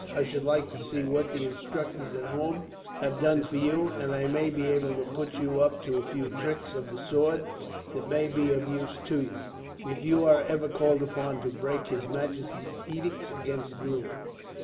I should like to see what the instructors at home have done for you, and I may be able to put you up to a few tricks of the sword that may be of use to you, if you are ever called upon to break his majesty's edicts against duelling."